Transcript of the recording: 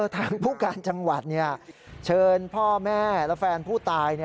ทางผู้การจังหวัดเชิญพ่อแม่และแฟนผู้ตาย